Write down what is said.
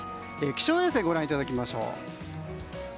気象衛星ご覧いただきましょう。